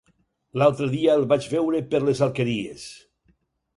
L'altre dia el vaig veure per les Alqueries.